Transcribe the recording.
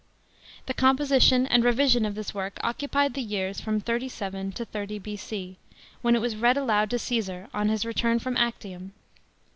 The composi tion and revision of this work occupied the years from 37 to 30 B.C. when it was read aloud to Caesar on his return from Actium.